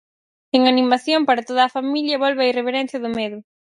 En animación, para toda a familia, volve a irreverencia do medo.